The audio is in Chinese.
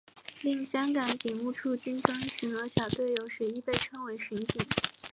另香港警务处军装巡逻小队有时亦被称为巡警。